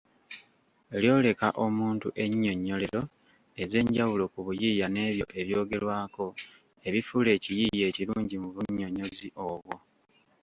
Lyoleka omuntu ennyinnyonnyolero ez’enjawulo ku buyiiya n’ebyo ebyogerwako ebifuula ekiyiiye ekirungi mu bunnyonnyozi obwo.